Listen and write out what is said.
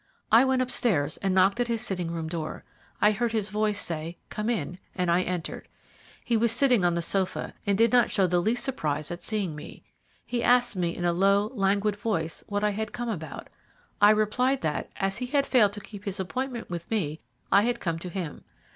I went upstairs and knocked at his sitting room door. I heard his voice say, 'Come in,' and I entered. He was sitting on the sofa, and did not show the least surprise at seeing me. He asked me in a low, languid voice what I had come about. I replied that, as he had failed to keep his appointment with me, I had come to him.